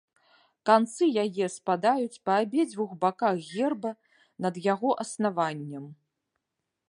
Канцы яе спадаюць па абедзвюх баках герба над яго аснаваннем.